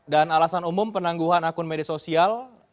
dan alasan umum penangguhan akun media sosial